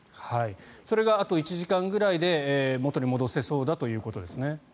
それがあと１時間ぐらいで元に戻せそうだということですね。